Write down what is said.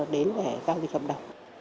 đến để giao dịch hợp đồng